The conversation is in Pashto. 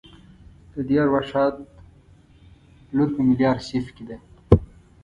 د دې ارواښاد لور په ملي آرشیف کې ده.